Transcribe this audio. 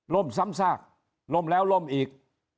ซ้ำซากล่มแล้วล่มอีก